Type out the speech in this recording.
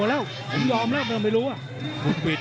ท่านต้องไปดูอาแล้ว